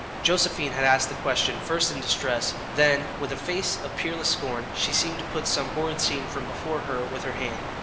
Josephine had asked the question first in distress; then, with a face of peerless scorn, she seemed to put some horrid scene from before her with her hand.